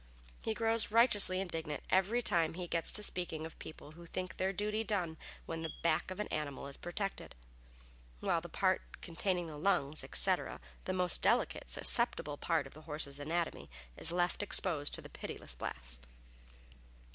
He grows righteously indignant every time he gets to speaking of people who think their duty done when the back of an animal is protected, while the part containing the lungs, etc. the most delicate, susceptible part of the horse's anatomy is left exposed to the pitiless blast.